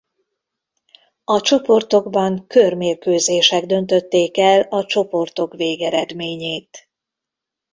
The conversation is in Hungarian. A csoportokban körmérkőzések döntötték el a csoportok végeredményét.